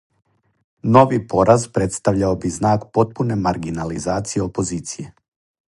Нови пораз представљао би знак потпуне маргинализације опозиције.